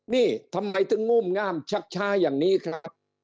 นี่ทำไมถึงงุ่มงามชักช้าอย่างนี้ครับ